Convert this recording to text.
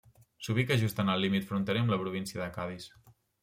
S'ubica just en el límit fronterer amb la província de Cadis.